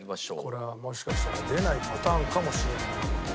これはもしかしたら出ないパターンかもしれないな。